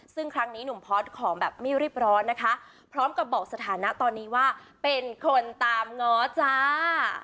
ซึ่งครั้งนี้หนุ่มพอร์ตขอแบบไม่รีบร้อนนะคะพร้อมกับบอกสถานะตอนนี้ว่าเป็นคนตามง้อจ้า